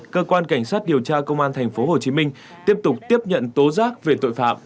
cơ quan cảnh sát điều tra công an tp hcm tiếp tục tiếp nhận tố giác về tội phạm